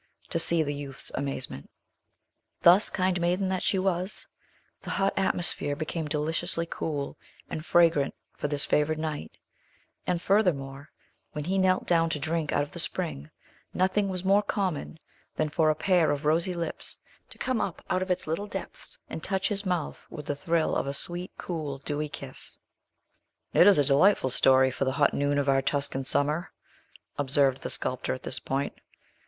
to see the youth's amazement. Thus, kind maiden that she was, the hot atmosphere became deliciously cool and fragrant for this favored knight; and, furthermore, when he knelt down to drink out of the spring, nothing was more common than for a pair of rosy lips to come up out of its little depths, and touch his mouth with the thrill of a sweet, cool, dewy kiss! "It is a delightful story for the hot noon of your Tuscan summer," observed the sculptor, at this point.